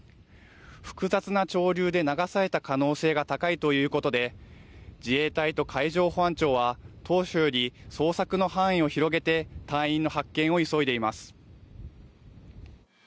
複雑な潮流で流された可能性が高いということで自衛隊と海上保安庁は当初より捜索の範囲を広げて隊員の発見を急いでいます。